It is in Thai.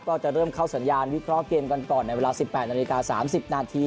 ก็จะเริ่มเข้าสัญญาณวิเคราะห์เกมกันก่อนในเวลา๑๘นาฬิกา๓๐นาที